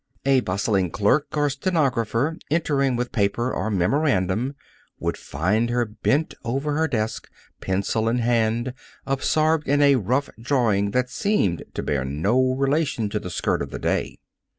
A bustling clerk or stenographer, entering with paper or memorandum, would find her bent over her desk, pencil in hand, absorbed in a rough drawing that seemed to bear no relation to the skirt of the day.